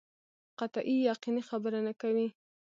قطعي یقیني خبره نه کوي.